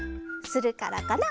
するからかな？